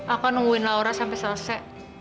aku nungguin laura sampai selesai